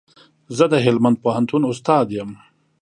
زه د هلمند پوهنتون استاد يم